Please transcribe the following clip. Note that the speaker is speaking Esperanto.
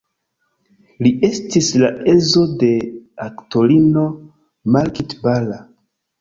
Li estis la edzo de aktorino Margit Bara.